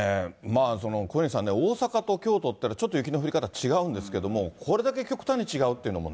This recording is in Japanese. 小西さんね、大阪と京都っていうのはちょっと雪の降り方違うんですけれども、これだけ極端に違うっていうのもね。